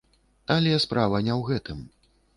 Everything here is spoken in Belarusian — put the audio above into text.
Але справа не ў гэтым.